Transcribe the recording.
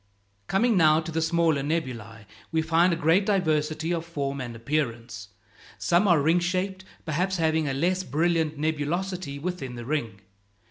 Coming now to the smaller nebulæ, we find a great diversity of form and appearance. Some are ring shaped, perhaps having a less brilliant nebulosity within the ring.